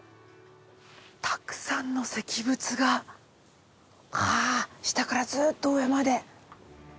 たくさんの石仏がああ下からずっと上まで。